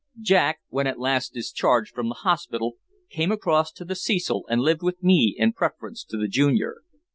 Jack, when at last discharged from the hospital, came across to the Cecil and lived with me in preference to the "Junior."